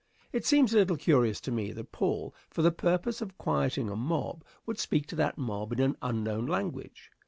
It seems a little curious to me that Paul, for the purpose of quieting a mob, would speak to that mob in an unknown language.